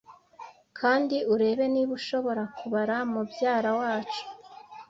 Kandi urebe niba ushobora kubara mubyara wacu.